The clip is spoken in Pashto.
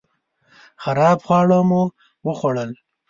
خراب خواړه مو وخوړل